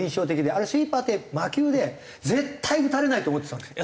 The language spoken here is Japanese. あれスイーパーって魔球で絶対打たれないと思ってたんですよ。